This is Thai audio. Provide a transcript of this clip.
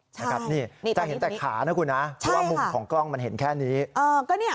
ใช่จะเห็นแต่ขานะคุณนะเพราะว่ามุมของกล้องมันเห็นแค่นี้